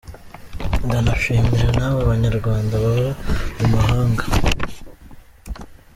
Ndanashimira n’abo Banyarwanda baba mu mahanga.